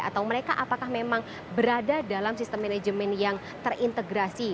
atau mereka apakah memang berada dalam sistem manajemen yang terintegrasi